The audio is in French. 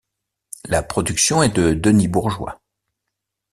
La production est de Denis Bourgeois.